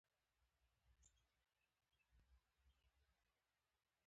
ډاکټر وايي چې زه يې نه منم.